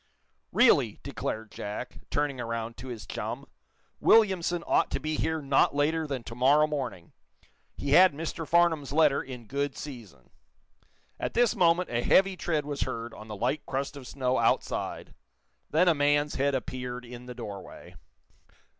"Really," declared Jack, turning around to his chum, "Williamson ought to be here not later than to morrow morning. He had Mr. Farnum's letter in good season." At this moment a heavy tread was heard on the light crust of snow outside. Then a man's head appeared in the doorway.